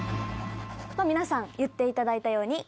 皆さん言っていただいたように。